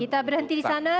kita berhenti di sana